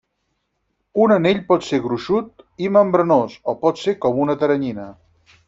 Un anell pot ser gruixut i membranós o pot ser com una teranyina.